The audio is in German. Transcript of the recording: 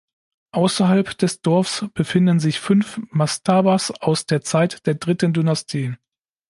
Außerhalb des Dorfs befinden sich fünf Mastabas aus der Zeit der dritten Dynastie.